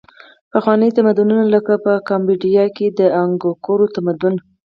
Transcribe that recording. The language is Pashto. پخواني تمدنونه لکه په کامبودیا کې د انګکور تمدن و.